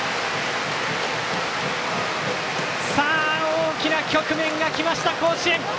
大きな局面が来ました甲子園。